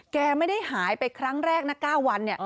แกไม่ได้หายไปครั้งแรกนะ๙วัน